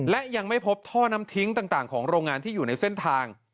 และยังไม่พบท่อน้ำทิ้งต่างของโรงงานที่อยู่ในเส้นทาง